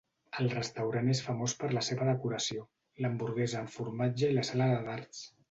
El restaurant és famós per la seva decoració, l'hamburguesa amb formatge i la sala de dards.